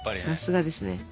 さすがですね。